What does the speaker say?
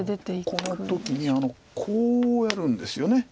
この時にこうやるんですよね。